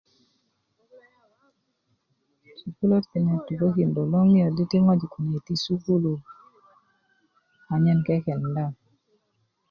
sukuluwöt kune tukökindö loŋiyo di ti ŋojik kulo yiti' sukulu anyen kekenda